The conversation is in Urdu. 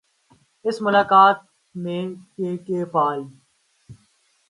اس ملاقات میں کے کے پال